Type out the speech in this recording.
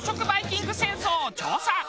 バイキング戦争を調査。